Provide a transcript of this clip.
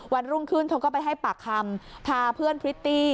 รุ่งขึ้นเธอก็ไปให้ปากคำพาเพื่อนพริตตี้